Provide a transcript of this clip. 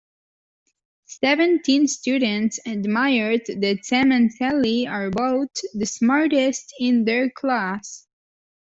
Seventeen students admired that Sam and Sally are both the smartest in their class.